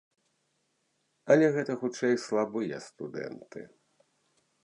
Але гэта, хутчэй, слабыя студэнты.